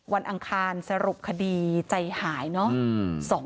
อังคารสรุปคดีใจหายเนอะ